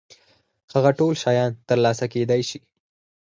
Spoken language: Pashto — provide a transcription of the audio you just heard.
هغه ټول شيان تر لاسه کېدای شي.